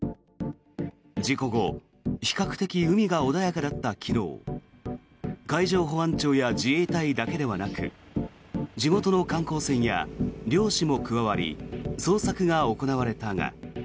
事故後比較的、海が穏やかだった昨日海上保安庁や自衛隊だけではなく地元の観光船や漁師も加わり捜索が行われたが。